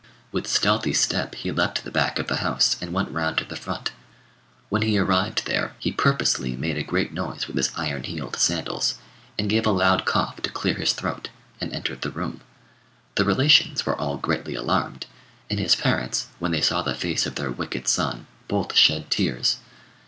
With stealthy step he left the back of the house, and went round to the front. When he arrived there, he purposely made a great noise with his iron heeled sandals, and gave a loud cough to clear his throat, and entered the room. The relations were all greatly alarmed; and his parents, when they saw the face of their wicked son, both shed tears.